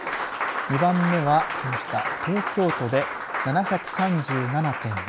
２番目は、その下、東京都で７３７．７３人。